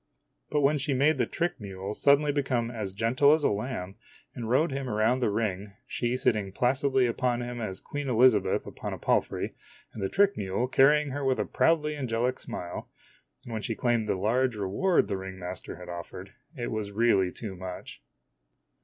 But when 93 96 IMAGINOTIONS she made the trick mule suddenly become as gentle as a lamb, and rode him around the ring, she sitting as placidly upon him as Queen Elizabeth upon a palfrey, and the trick mule carrying her with a proudly angelic smile, and when she claimed the large reward the ring master had offered it was really too much.